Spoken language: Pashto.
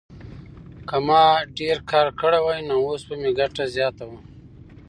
که ما ډېر کار کړی وای نو اوس به مې ګټه زیاته وه.